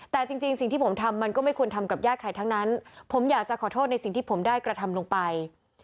แต่จริงสิ่งที่ผมทำมันก็ไม่ควรทำกับญาติใครทั้งนั้นผมอยากจะขอโทษในสิ่งที่ผมได้กระทำลงไป